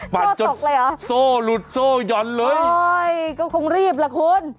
ปั่นจนโซ่หลุดโซ่หย่อนเลยโอ้ยก็คงรีบแหละคุณ